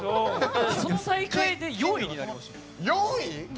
その大会で４位に入ってました。